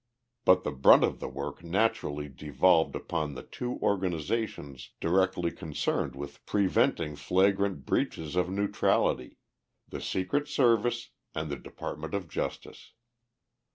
But the brunt of the work naturally devolved upon the two organizations directly concerned with preventing flagrant breaches of neutrality the Secret Service and the Department of Justice.